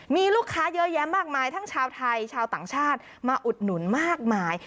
มีลูกค้าเยอะแยะมากมายทั้งชาวไทยชาวต่างชาติมาอุดหนุนมากมาย